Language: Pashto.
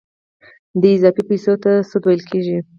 دې اضافي پیسو ته سود ویل کېږي